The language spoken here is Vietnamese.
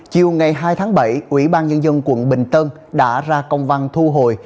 chiều ngày hai tháng bảy ủy ban nhân dân quận bình tân đã ra công văn thu hồi